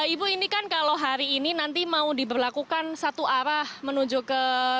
ibu ini kan kalau hari ini nanti mau diberlakukan satu arah menuju ke